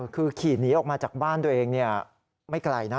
คือขี่หนีออกมาจากบ้านตัวเองไม่ไกลนะ